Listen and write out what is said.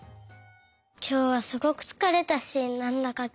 きょうはすごくつかれたしなんだかきぶんがわるいの。